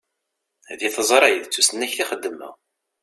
Deg teẓṛi, d tusnakt i xeddmeɣ.